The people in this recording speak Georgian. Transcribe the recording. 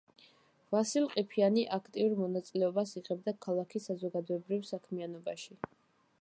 ვასილ ყიფიანი აქტიურ მონაწილეობას იღებდა ქალაქის საზოგადოებრივ საქმიანობაში.